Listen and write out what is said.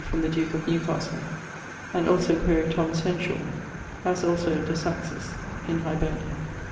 from the duke of Newcastle; and also quaere Thomas Henshawe (as also de saxis in Hibernia).